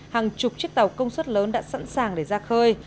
hàng chục chiếc tàu công suất lớn đã sẵn sàng để ra khơi